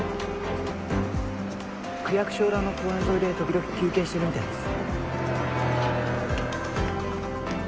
区役所裏の公園沿いでときどき休憩してるみたいです。